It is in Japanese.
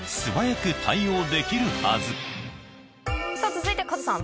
続いてカズさん